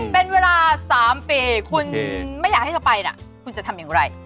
เป็นเวลา๓ปีคุณไม่อยากให้เธอไปนะคุณจะทำอย่างไร